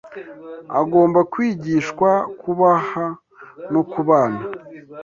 agomba kwigishwa kubaha no kubana